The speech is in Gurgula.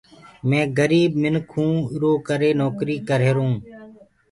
مينٚ گريٚب منکوٚنٚ ايٚرو ڪري نوڪريٚ ڪريهرونٚ۔